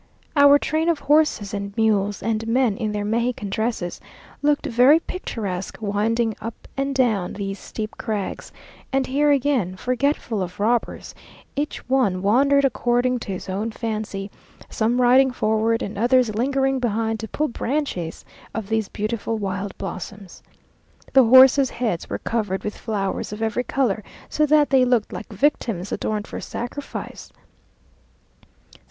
Our train of horses and mules, and men in their Mexican dresses, looked very picturesque winding up and down these steep crags; and here again, forgetful of robbers, each one wandered according to his own fancy, some riding forward, and others lingering behind to pull branches of these beautiful wild blossoms. The horses' heads were covered with flowers of every colour, so that they looked like victims adorned for sacrifice.